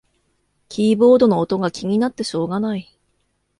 キーボードの音が気になってしょうがない